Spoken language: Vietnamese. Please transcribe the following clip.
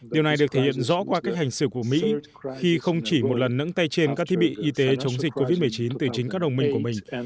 điều này được thể hiện rõ qua cách hành xử của mỹ khi không chỉ một lần nẫn tay trên các thiết bị y tế chống dịch covid một mươi chín từ chính các đồng minh của mình